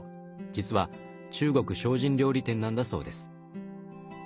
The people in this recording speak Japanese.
実は中国精進料理店なんだそうです。